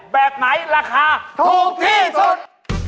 แบบไหนราคาถูกที่สุด